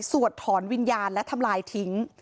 ถอนวิญญาณและทำลายทิ้ง